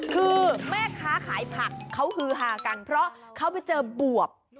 คือแม่ค้าขายผักเขาฮือฮากันเพราะเขาไปเจอบวบ